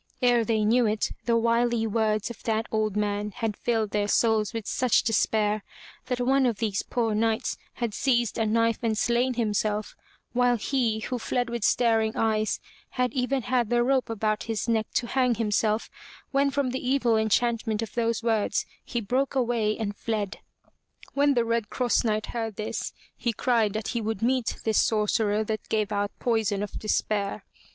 Ere they knew it, the wily words of that old man had filled their souls with such despair, that one of these poor knights had seized a knife and slain himself, while he, who fled with staring eyes, had even had the rope about his neck to hang himself, when from the evil enchantment of those words he broke away and fled. When the Red Cross Knight heard this, he cried that he would meet this sorcerer that gave out poison of despair.